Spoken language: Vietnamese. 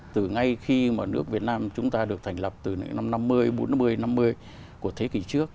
từ ngay khi mà nước việt nam chúng ta được thành lập từ năm năm mươi bốn mươi năm mươi của thế kỷ trước